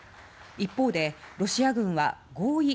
一方でロシア軍は合意